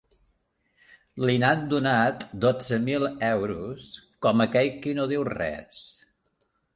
Li n'han donat dotze mil euros, com aquell qui no diu res!